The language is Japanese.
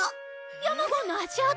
ヤマゴンの足跡？